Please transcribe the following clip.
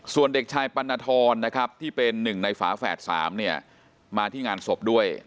ส่วนเด็กชายปัณฑรนะครับที่เป็นหนึ่งในฝาแฝด๓เนี่ยมาที่งานศพด้วย